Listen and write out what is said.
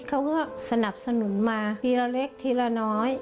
เขาก็สนับสนุนมาทีละเล็กทีละน้อย